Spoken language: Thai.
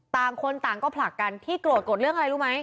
ต่างคนต่างก็ผลักกันที่โกรธโกรธเรื่องอะไรรู้ไหม